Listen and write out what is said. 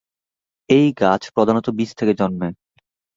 এই গাছ প্রধানত বীজ থেকে জন্মে।